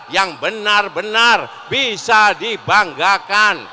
yang benar benar bisa dibanggakan